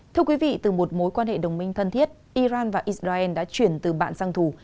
thưa quý vị từ một mối quan hệ đồng minh thân thiết iran và israel đã chuyển từ bạn sang thủ